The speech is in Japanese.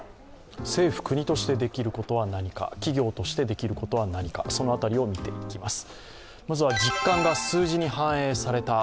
政府、国として出来ることは何か企業として出来ることは何かその辺りを見ていきます。